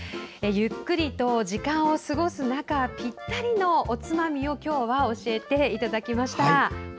ゆっくりと時間を過ごす中ぴったりのおつまみを今日は、教えていただきました。